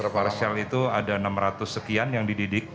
parcel itu ada enam ratus sekian yang dididik